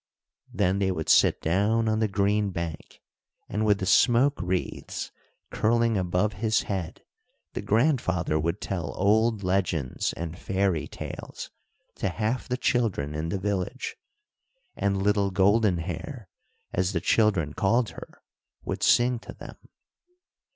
Then they would sit down on the green bank, and with the smoke wreaths curling above his head the grandfather would tell old legends and fairy tales to half the children in the village, and "little Golden Hair," as the children called her, would sing to them.